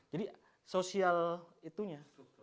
jadi sosial itunya